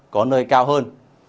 có nơi cao hơn